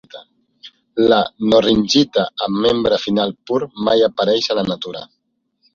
La knorringita amb membre final pur mai apareix a la natura.